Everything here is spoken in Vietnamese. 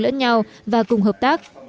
lẫn nhau và cùng hợp tác